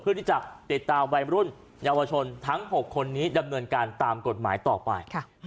ติดตามวัยรุ่นเยาวชนทั้ง๖คนนี้ดำเนินการตามกฎหมายต่อไป